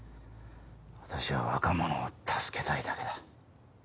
私は若者を助けたいだけだ。